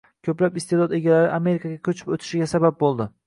ko‘plab iste’dod egalari Amerikaga ko‘chib o‘tishiga sabab bo‘ldi.